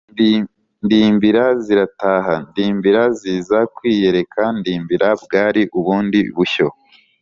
ndimbira zirataha: ndimbira ziza kwiyereka ndimbira bwari ubundi bushyo